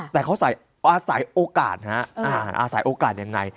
แต่เขาใส่อาศัยโอกาศฮะเอออ่าอาศัยโอกาศยังไง